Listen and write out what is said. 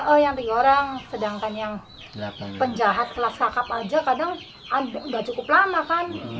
oh yang tiga orang sedangkan yang penjahat kelas kakap aja kadang nggak cukup lama kan